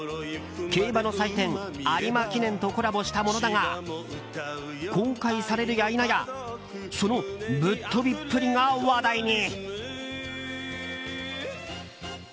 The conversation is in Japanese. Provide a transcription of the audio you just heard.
競馬の祭典有馬記念とコラボしたものだが公開されるや否やその、ぶっ飛びっぷりが話題に。